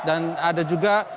dan ada juga